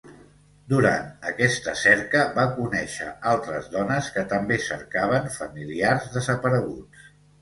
Durant aquesta cerca va conèixer altres dones que també cercaven familiars desapareguts.